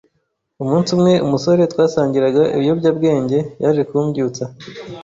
Umunsi umwe umusore twasangiraga ibiyobyabwenge yaje kumbyutsa